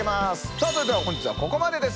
さあそれでは本日はここまでです。